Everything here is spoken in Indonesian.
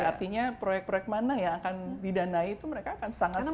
artinya proyek proyek mana yang akan didanai itu mereka akan sangat senang